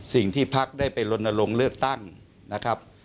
สิ่งที่พักได้ไปลนลงเลือกตั้งนะครับ